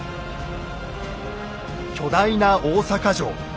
巨大な大坂城。